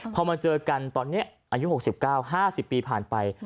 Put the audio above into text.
พอมาเจอกันตอนนี้อายุ๖๙๕๐ปีผ่านไป